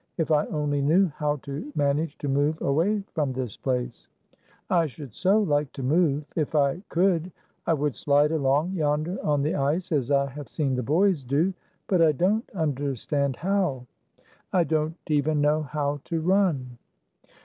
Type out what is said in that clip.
If I only knew how to manage to move away from this place. I should so like to move ! If I could, I would slide along yonder on the ice, as I have seen the boys do; but I don't understand how. I don't even know how to run."